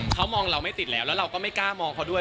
เขามองเราไม่ติดแล้วแล้วเราก็ไม่กล้ามองเขาด้วย